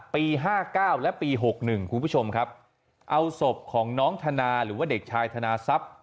ปี๕๙และปี๖๑คุณผู้ชมครับเอาศพของน้องธนาหรือว่าเด็กชายธนาทรัพย์